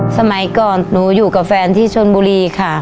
สมัยก่อนหนูอยู่กับแฟนที่ชนบุรีค่ะ